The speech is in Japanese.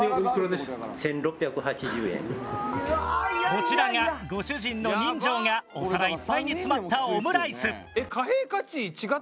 こちらがご主人の人情がお皿いっぱいに詰まったオムライス。